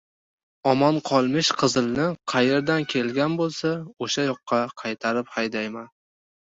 Omon qolmish Qizilni qayerdan kelgan bo‘lsa — o‘sha yoqqa qaytarib haydayman.